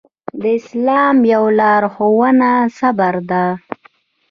د اسلام يوه لارښوونه صبر ده.